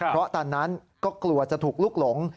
เพราะตอนนั้นก็กลัวจะถูกลุกหลง